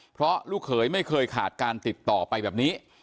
เพราะลูกเขยไม่เคยขาดการติดต่อไปแบบนี้